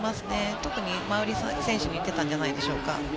特に、馬瓜選手に言っていたんじゃないでしょうか。